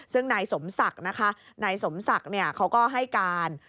ซึ่งนายสมศักดิ์นะคะนายสมศักดิ์เขาก็ให้การ